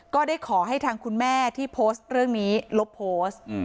ก็ได้ขอให้ทางคุณแม่ที่โพสต์เรื่องนี้ลบโพสต์